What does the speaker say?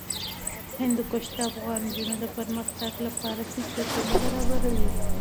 هندوکش د افغان نجونو د پرمختګ لپاره فرصتونه برابروي.